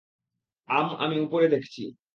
আম, আমি উপরে দেখছি।